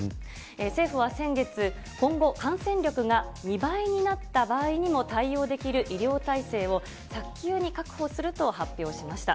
政府は先月、今後、感染力が２倍になった場合にも対応できる医療体制を、早急に確保すると発表しました。